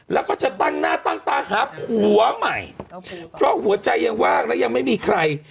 แล้วก็จะตั้งหน้าตั้งตาหาผัวใหม่เพราะหัวใจยังว่างและยังไม่มีใคร